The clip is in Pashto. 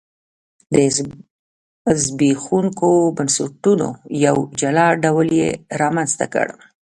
د زبېښونکو بنسټونو یو جلا ډول یې رامنځته کړ.